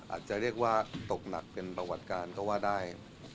อาจจะเรียกว่าตกหนักเป็นประวัติการก็ว่าได้